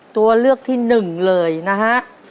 ตัวเลือกที่๑เลยนะฮะ